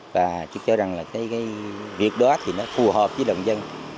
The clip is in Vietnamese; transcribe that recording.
và tôi cho rằng là cái việc đó thì nó phù hợp với đồng dân